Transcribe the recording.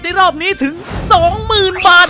รอบนี้ถึง๒๐๐๐บาท